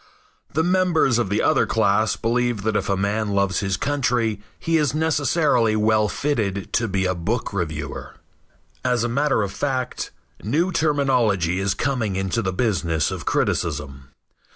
The members of the other class believe that if a man loves his country he is necessarily well fitted to be a book reviewer. As a matter of fact, new terminology is coming into the business of criticism.